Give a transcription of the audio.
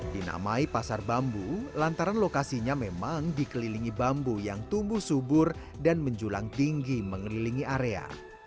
dinamai pasar bambu lantaran lokasinya memang dikelilingi bambu yang tumbuh subur dan menjulang tinggi mengelilingi area